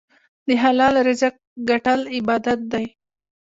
د حلال رزق ګټل عبادت دی.